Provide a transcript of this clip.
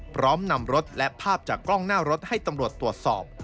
พร้อมนำรถและภาพจากกล้องหน้ารถให้ตำรวจตรวจสอบ